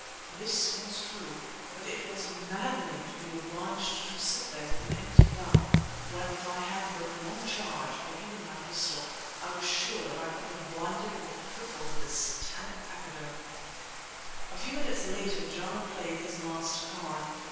This was true, but it was maddening to be obliged to sit there with an empty gun, when if I had but one charge, or even my pistol, I was sure that I could have blinded or crippled this satanic pachyderm. A few minutes later Jana played his last card.